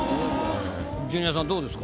ジュニアさんどうですか？